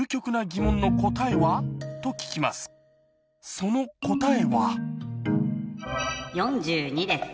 その答え